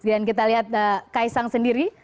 dan kita lihat kaisang sendiri